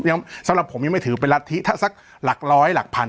สำหรับผมยังไม่ถือเป็นรัฐธิถ้าสักหลักร้อยหลักพัน